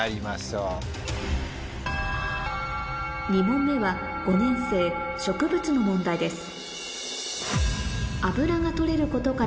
２問目は５年生植物の問題です